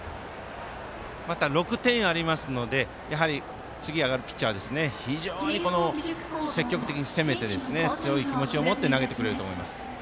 ６点ありますので次、上がるピッチャーは非常に積極的に攻めて強い気持ちを持って投げてくれると思います。